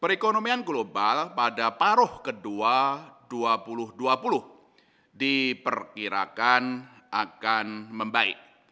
perekonomian global pada paruh kedua dua ribu dua puluh diperkirakan akan membaik